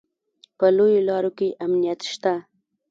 په لویو لارو کې امنیت شته